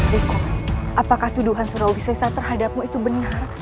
putriku apakah tuduhan surawi selesai terhadapmu itu benar